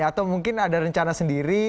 atau mungkin ada rencana sendiri